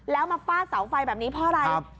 แล้วมาฟาดเสาไฟแบบนี้เพราะอะไร